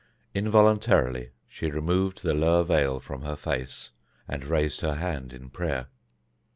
Involuntarily she removed the lower veil from her face and raised her hand in prayer.